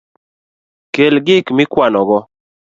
Kel gik mikwanogo.